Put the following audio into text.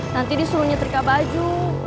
nanti disuruh nyetrika baju